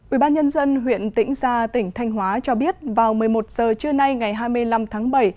ubnd huyện tĩnh gia tỉnh thanh hóa cho biết vào một mươi một giờ trưa nay ngày hai mươi năm tháng bảy